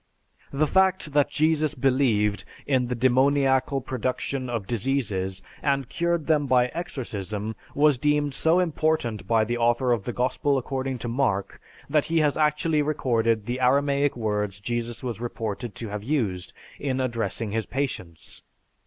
The fact that Jesus believed in the demoniacal production of diseases and cured them by exorcism was deemed so important by the author of the Gospel according to Mark that he has actually recorded the Aramaic words Jesus was reported to have used in addressing his patients.